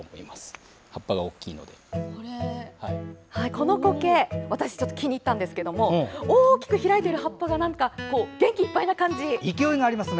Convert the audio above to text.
このコケ私、気に入ったんですが大きく開いている葉っぱがなんだか元気いっぱいな感じ。